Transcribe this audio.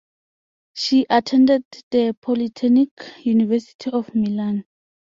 She attended the Polytechnic University of Milan.